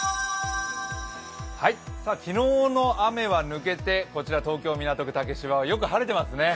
昨日の雨は抜けてこちら東京・港区竹芝はよく晴れてますね。